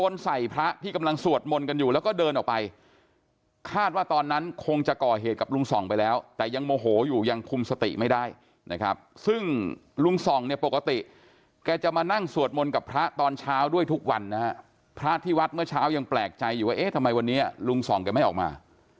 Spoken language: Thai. ซึ่งลุงส่องเนี่ยปกติแกจะมานั่งสวดมนต์กับพระตอนเช้าด้วยทุกวันนะฮะพระที่วัดเมื่อเช้ายังแปลกใจอยู่ว่าเอ๊ะทำไมวันนี้ลุงส่องแกไม่ออกมา